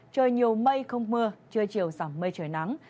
trời nhiều mây không mưa trưa chiều giảm mây trời nắng